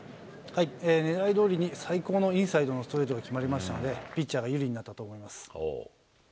狙いどおりに最高のインサイドのストレートが決まりましたんで、ピッチャーが有利になったと思います。